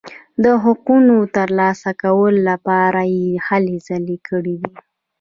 د حقونو ترلاسه کولو لپاره یې هلې ځلې کړي دي.